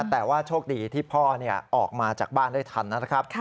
แต่ว่าโชคดีที่พ่อออกมาจากบ้านได้ทันนะครับ